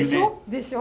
でしょ？